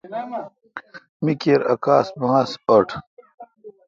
می کیر اؘ کاس ماس اوٹ۔